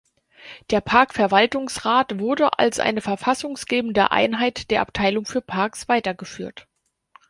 Der Parkverwaltungsrat wurde als eine verfassungsgebende Einheit der Abteilung für Parks weitergeführt.